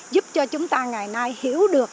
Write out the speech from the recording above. giúp cho chúng ta ngày nay hiểu được